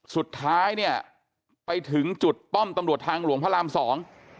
สุดท้ายเนี่ยไปถึงจุดป้อมตำรวจทางหลวงพระรามสอง